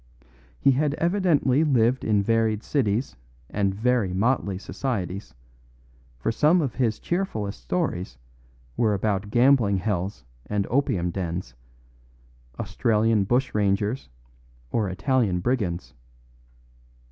He had evidently lived in varied cities and very motley societies, for some of his cheerfullest stories were about gambling hells and opium dens, Australian bushrangers or Italian brigands.